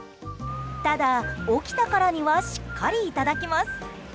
ただ、起きたからにはしっかりいただきます。